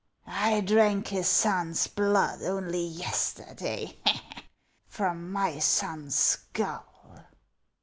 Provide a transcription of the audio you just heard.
I drank his son's blood only yesterday, from my sou's skull."